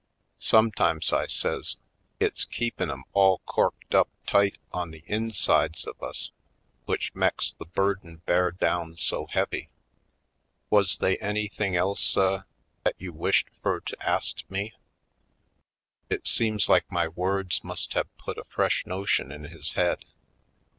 Some times," I says, "it's keepin' 'em all corked up tight on the insides of us w'ich meks the burden bear down so heavy. ... Wuz they anything else, suh, 'at you wished fur to ast me?" It seems like my words must have put a fresh notion in his head.